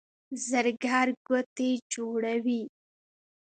زرګر ګوتې جوړوي.